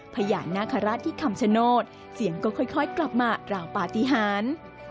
พญานาคาราชที่คำชโนธเสียงก็ค่อยกลับมากล่าวปฏิหาร